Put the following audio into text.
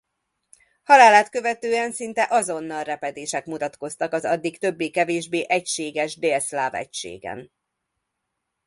Halálát követően szinte azonnal repedések mutatkoztak az addig többé-kevésbé egységes délszláv egységen.